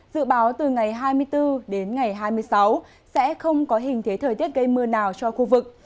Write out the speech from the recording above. dự báo từ ngày hai mươi bốn đến ngày hai mươi sáu sẽ không có hình thế thời tiết gây mưa nào cho khu vực